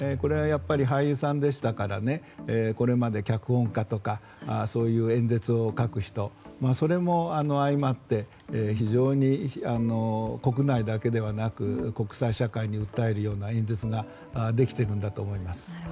やっぱり俳優さんでしたからこれまで脚本家とかそういう演説を書く人それも相まって非常に国内だけではなく国際社会に訴えるような演説ができてるんだと思います。